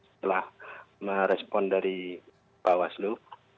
setelah merespon dari bawaslu